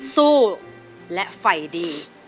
สู้และไฟดี